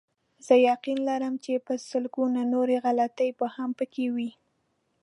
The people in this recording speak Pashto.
زه یقین لرم چې په لسګونو نورې غلطۍ به هم پکې وي.